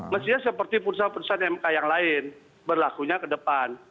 mestinya seperti putusan putusan mk yang lain berlakunya ke depan